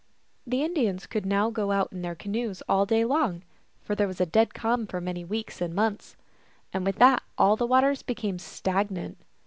The Indians could now go out in their canoes all day long, for there was a dead calm for many weeks and months. And with that all the waters became stagnant.